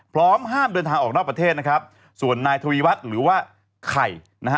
พร้อมห้ามเดินทางออกนอกประเทศนะครับส่วนนายทวีวัฒน์หรือว่าไข่นะฮะ